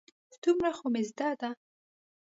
دومره خو مې زده ده.